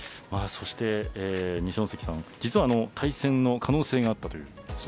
二所ノ関さん実は対戦の可能性があったという。